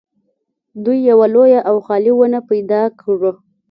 دوی یوه لویه او خالي ونه پیدا کړه